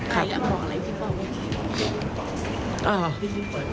ใครอยากบอกอะไรที่บอกว่างี้